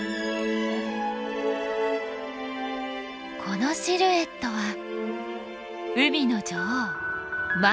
このシルエットは海の女王マンタ。